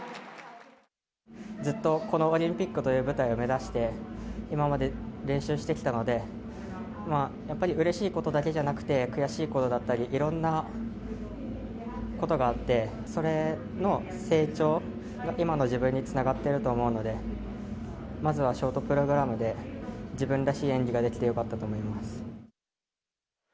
ずっとこのオリンピックという舞台を目指して、今まで練習してきたので、やっぱりうれしいことだけじゃなくて、悔しいことだったり、いろんなことがあって、それの成長が今の自分につながっていると思うので、まずはショートプログラムで、自分らしい演技ができてよかったと思います。